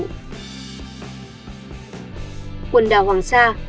khu vực trường sa